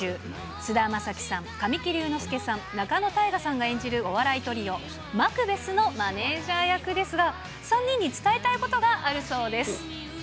菅田将暉さん、神木隆之介さん、仲野太賀さんが演じるお笑いトリオ、マクベスのマネージャー役ですが、３人に伝えたいことがあるそうです。